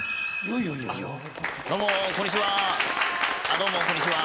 ・どうもこんにちは。